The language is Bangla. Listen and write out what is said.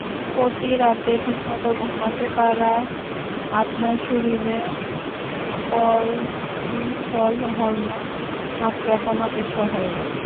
প্রতিরাতে ঠিকমতো ঘুমাতে পারা আপনার শরীরে করটিসল হরমোনের মাত্রা কমাতে সহায়ক।